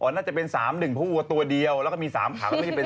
น่าจะเป็น๓๑เพราะวัวตัวเดียวแล้วก็มี๓ถังไม่ใช่เป็น